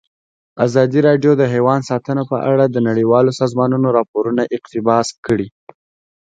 ازادي راډیو د حیوان ساتنه په اړه د نړیوالو سازمانونو راپورونه اقتباس کړي.